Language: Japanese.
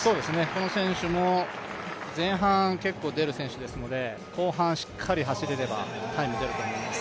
この選手も前半結構出る選手ですので後半、しっかり走れればタイム出ると思います。